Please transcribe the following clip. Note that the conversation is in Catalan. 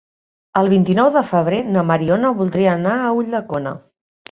El vint-i-nou de febrer na Mariona voldria anar a Ulldecona.